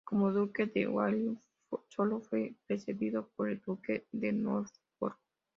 Como duque de Warwick, solo fue precedido por el duque de Norfolk.